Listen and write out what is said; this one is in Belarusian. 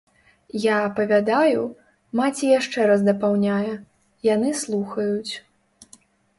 Я апавядаю, маці яшчэ раз дапаўняе, яны слухаюць.